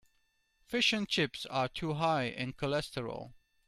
Fish and chips are too high in cholesterol.